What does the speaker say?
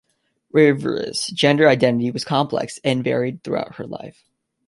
Rivera's gender identity was complex and varied throughout her life.